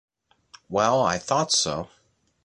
Well, I thought so.